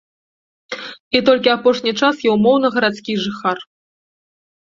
І толькі апошні час я ўмоўна гарадскі жыхар.